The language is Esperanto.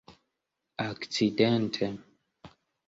akcidente